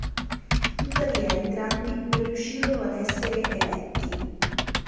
Tuttavia entrambi non riuscirono ad essere eletti.